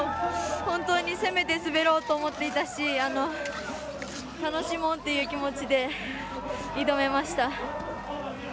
本当に攻めて滑ろうと思っていたし楽しもうという気持ちで挑めました。